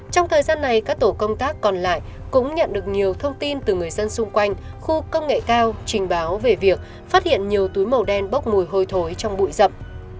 trong thời gian này các tổ công tác còn lại cũng nhận được nhiều thông tin từ người dân xung quanh khu công nghệ cao trình báo về việc phát hiện nhiều túi màu đen bốc mùi hôi thối trong bụi rậm